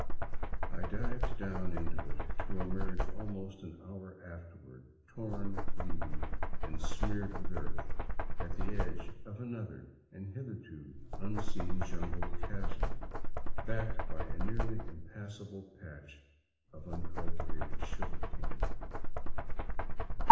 I dived down into it, to emerge almost an hour afterward, torn, bleeding, and smeared with earth, at the edge of another and hitherto unseen jungled chasm, backed by a nearly impassable patch of uncultivated sugar cane.